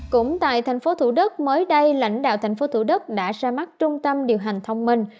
cũng tại tp thủ đức mới đây lãnh đạo tp thủ đức đã ra mắt trung tâm điều hành thông minh